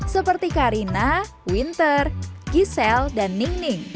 seperti carina winter giselle dan ningning